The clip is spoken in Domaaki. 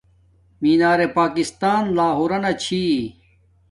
مینار پاکستان لاہورنا چھی